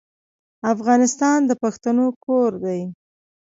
افغانستان د پښتنو کور دی.